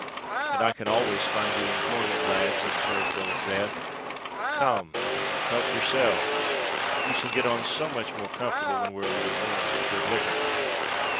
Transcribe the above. "And I can always find you employment, lads," observed Old Death. "Come—help yourselves: we shall get on so much more comfortable when we're a little warmed with good liquor."